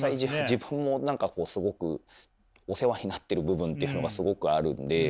自分も何かすごくお世話になってる部分っていうのがすごくあるんで。